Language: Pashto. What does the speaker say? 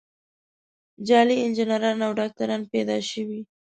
جعلي انجینران او ډاکتران پیدا شوي.